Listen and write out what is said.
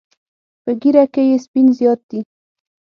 په ږیره کې یې سپین زیات دي.